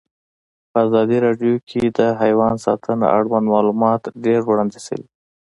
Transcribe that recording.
په ازادي راډیو کې د حیوان ساتنه اړوند معلومات ډېر وړاندې شوي.